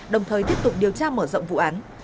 đồng thời tiếp tục điều tra mở rộng vụ án